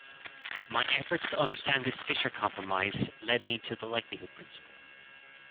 My efforts to understand this Fisher compromise led me to the likelihood principle.